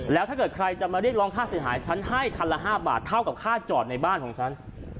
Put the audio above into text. แล้วถ้าเกิดใครจะมาเรียกร้องค่าเสียหายฉันให้คันละ๕บาทเท่ากับค่าจอดในบ้านของฉัน